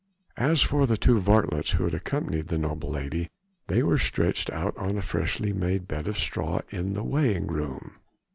As for the two varlets who had accompanied the noble lady, they were stretched out on a freshly made bed of straw in the weighing room.